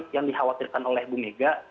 yang dikhawatirkan oleh bu mega